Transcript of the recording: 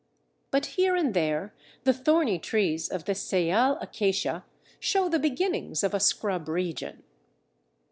But here and there the thorny trees of the "Seyal". Acacia show the beginnings of a scrub region.